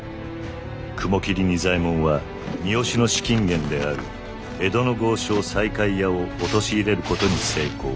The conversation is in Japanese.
雲霧仁左衛門は三好の資金源である江戸の豪商西海屋を陥れることに成功。